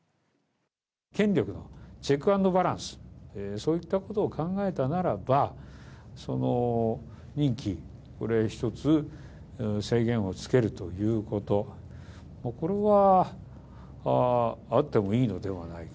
権力のチェックアンドバランス、そういったことを考えたならば、任期、これ一つ制限をつけるということ、これは、あってもいいのではないか。